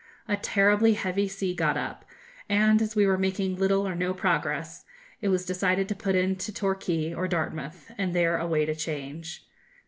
A terribly heavy sea got up; and, as we were making little or no progress, it was decided to put in to Torquay or Dartmouth, and there await a change.